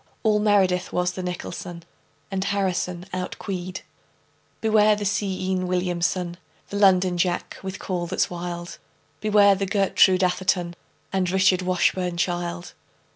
All meredith was the nicholson, And harrison outqueed. Beware the see enn william, son, The londonjack with call that's wild. Beware the gertroo datherton And richardwashburnchild.